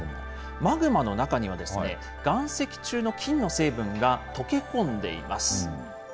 マグマの中には岩石中の金の成分が溶け込んでいます。